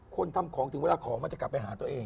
คนทำของถึงเวลาของมันจะกลับไปหาตัวเอง